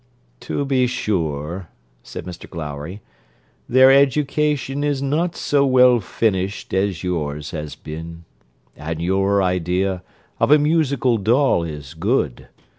'To be sure,' said Mr Glowry, 'their education is not so well finished as yours has been; and your idea of a musical doll is good.